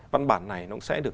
văn bản này nó cũng sẽ được